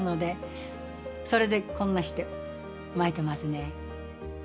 それでこんなして巻いてますね。